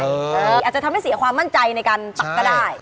อาจจะทำให้เสียความมั่นใจในการปักก็ได้